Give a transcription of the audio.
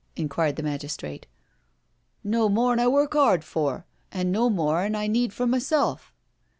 in quired the magistrate. " No more *an I work hard for, an' no more *an I need for myself."